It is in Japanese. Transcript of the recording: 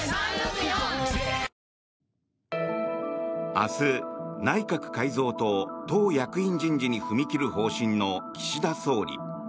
明日、内閣改造と党役員人事に踏み切る方針の岸田総理。